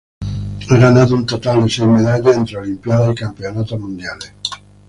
Ha ganado un total de seis medallas entre Olimpiadas y Campeonatos Mundiales.